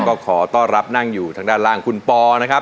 ก็ขอต้อนรับนั่งอยู่ทางด้านล่างคุณปอนะครับ